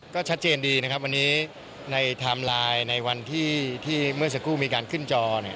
ก็ชัดเจนดีนะครับวันนี้ในไทม์ไลน์ในวันที่เมื่อสักครู่มีการขึ้นจอเนี่ย